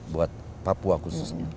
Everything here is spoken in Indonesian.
buat papua khususnya